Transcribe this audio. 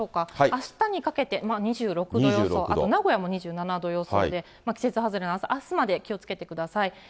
あしたにかけて、２６度予想、あと名古屋も２７度予想で、季節外れの暑さ、あすまで気をつけてください。